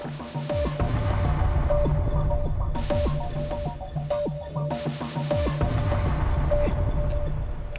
lo tau kan